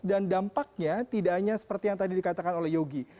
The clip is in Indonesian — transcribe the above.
dan dampaknya tidak hanya seperti yang tadi dikatakan oleh yogi